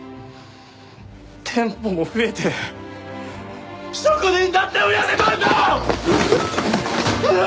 店舗も増えて職人だって増やせたんだ！